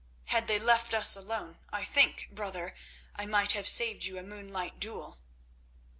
"Had they left us alone I think, brother, I might have saved you a moonlight duel."